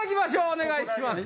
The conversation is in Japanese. お願いします。